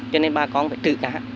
cho nên bà con phải trự cá